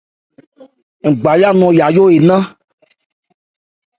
Ngbawa nɔn yayó énɛn.